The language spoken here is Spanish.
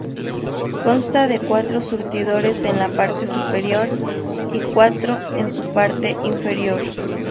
Consta de cuatro surtidores en la parte superior, y cuatro en su parte inferior.